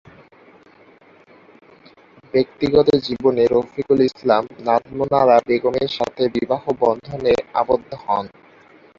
ব্যক্তিগত জীবনে রফিকুল ইসলাম, নাজমুন আরা বেগমের সাথে বিবাহ বন্ধনে আবদ্ধ হন।